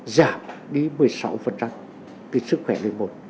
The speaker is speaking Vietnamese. giảm đi một mươi sáu từ sức khỏe lời một